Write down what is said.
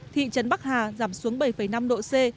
thị trấn bắc hà giảm xuống bảy năm độ c